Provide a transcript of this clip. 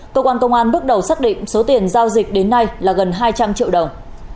cơ quan công an bước đầu xác định số tiền giao dịch đến nay là gần hai trăm linh triệu đồng